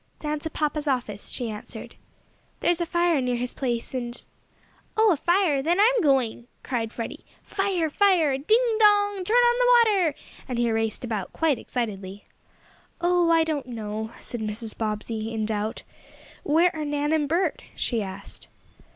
"Down to papa's office," she answered. "There's a fire near his place, and " "Oh, a fire! Then I'm going!" cried Freddie. "Fire! Fire! Ding, dong! Turn on the water!" and he raced about quite excitedly. "Oh, I don't know," said Mrs. Bobbsey, in doubt. "Where are Nan and Bert?" she asked.